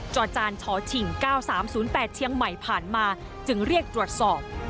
จอจานชฉิง๙๓๐๘เชียงใหม่ผ่านมาจึงเรียกตรวจสอบ